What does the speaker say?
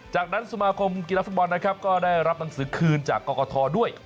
จากนั้นสมาคมกีฬาฟุตบอลนะครับก็ได้รับหนังสือคืนจากกรกฐด้วย